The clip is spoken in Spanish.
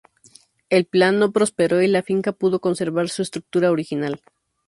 El plan no prosperó y la finca pudo conservar su estructura original.